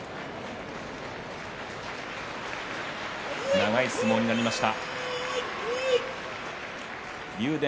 長い相撲になりました。